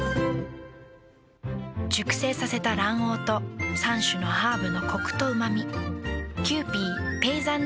熟成させた卵黄と３種のハーブのコクとうま味。